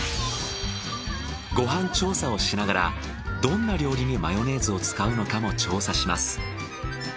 ご飯調査をしながらどんな料理にマヨネーズを使うのかも調査します。